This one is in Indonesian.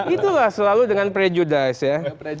itulah selalu dengan prejudice ya